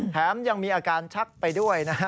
แถมยังมีอาการชักไปด้วยนะฮะ